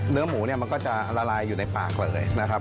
เนื้อหมูเนี่ยมันก็จะละลายอยู่ในปากเลยนะครับ